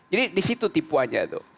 jadi di situ tipuannya tuh